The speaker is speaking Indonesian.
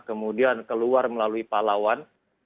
kemudian keluar melalui palawan